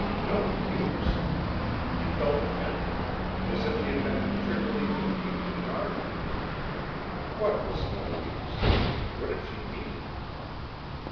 No use! He felt offended, as if he had been trickily defeated in an argument. What was no use? What did she mean?